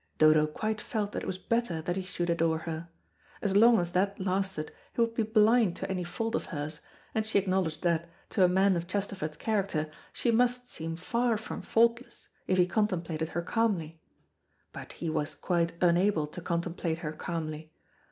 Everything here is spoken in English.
Dodo quite felt that it was better that he should adore her. As long as that lasted, he would be blind to any fault of hers, and she acknowledged that, to a man of Chesterford's character, she must seem far from faultless, if he contemplated her calmly. But he was quite unable to contemplate her calmly.